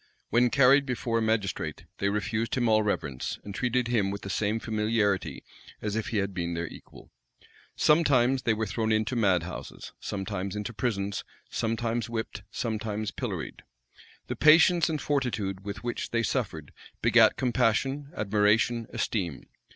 When carried before a magistrate, they refused him all reverence, and treated him with the same familiarity as if he had been their equal. Sometimes they were thrown into mad houses, sometimes into prisons; sometimes whipped, sometimes pilloried. The patience and fortitude with which they suffered, begat compassion, admiration, esteem.